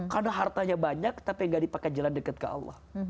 karena hartanya banyak tapi gak dipakai jalan dekat ke allah